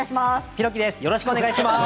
よろしくお願いします。